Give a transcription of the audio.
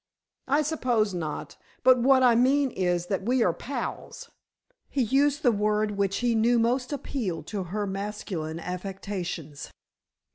"I suppose not, but what I mean is that we are pals." He used the word which he knew most appealed to her masculine affectations.